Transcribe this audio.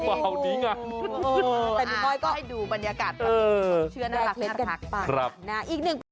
ก็ให้ดูบรรยากาศประเภทของเชื้อน่ารักและภักดิ์